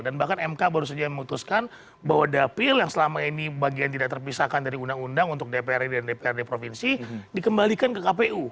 dan bahkan mk baru saja memutuskan bahwa dapil yang selama ini bagian tidak terpisahkan dari undang undang untuk dprd dan dprd provinsi dikembalikan ke kpu